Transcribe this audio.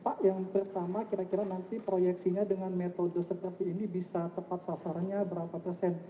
pak yang pertama kira kira nanti proyeksinya dengan metode seperti ini bisa tepat sasarannya berapa persen